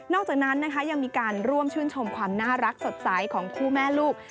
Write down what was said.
จากนั้นนะคะยังมีการร่วมชื่นชมความน่ารักสดใสของคู่แม่ลูก